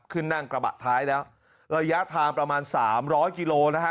ขึ้นนั่งกระบะท้ายแล้วระยะทางประมาณสามร้อยกิโลนะฮะ